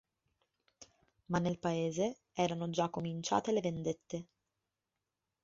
Ma nel Paese erano già cominciate le vendette.